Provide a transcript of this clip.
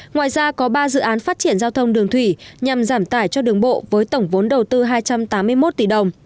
ngoài ra có ba dự án phát triển giao thông đường thủy nhằm giảm tải cho đường bộ với tổng vốn đầu tư hai trăm tám mươi một tỷ đồng